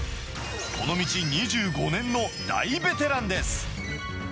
この道２５年の大ベテランです。